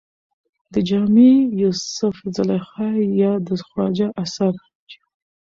د جامي يوسف زلېخا يا د خواجه اثر